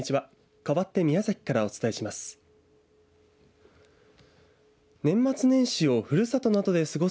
かわって宮崎からお伝えします。